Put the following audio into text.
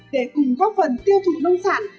để cùng góp phần tiêu thụ nông sản